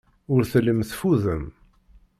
Ur tellim teffudem.